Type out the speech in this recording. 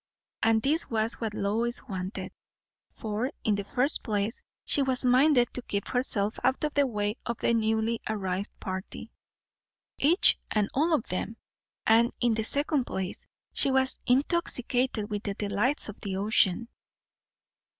And this was what Lois wanted; for, in the first place, she was minded to keep herself out of the way of the newly arrived party, each and all of them; and, in the second place, she was intoxicated with the delights of the ocean.